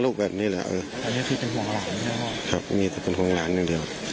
ลูกแบบนี้แล้วเออครับมีแต่ความของหลานหนึ่งเดียว